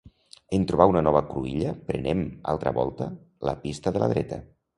En trobar una nova cruïlla prenem, altra volta, la pista de la dreta.